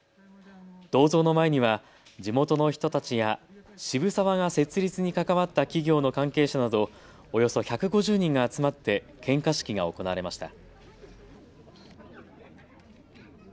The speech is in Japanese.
銅像の前には地元の人たちや渋沢が設立に関わった企業の関係者などおよそ１５０人が集まって献花式が行われました。